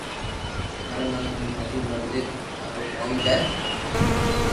مارو من ماري مرزي ٿارو ڪاو جي